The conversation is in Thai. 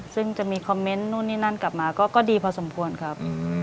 ซึ่งจะมีคอมเมนต์กลับมาก็ดีพอสมควรครับ